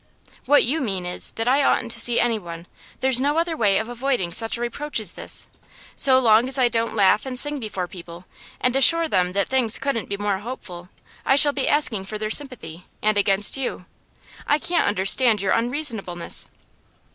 'What you mean is, that I oughtn't to see anyone. There's no other way of avoiding such a reproach as this. So long as I don't laugh and sing before people, and assure them that things couldn't be more hopeful, I shall be asking for their sympathy, and against you. I can't understand your unreasonableness.